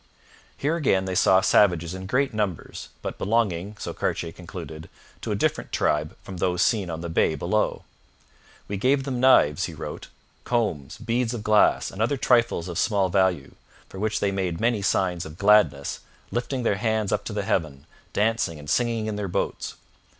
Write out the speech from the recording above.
Here again they saw savages in great numbers, but belonging, so Cartier concluded, to a different tribe from those seen on the bay below. 'We gave them knives,' he wrote, 'combs, beads of glass, and other trifles of small value, for which they made many signs of gladness, lifting their hands up to heaven, dancing and singing in their boats.'